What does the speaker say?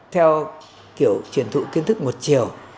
theo kiểu truyền thụ kiến thức một chiều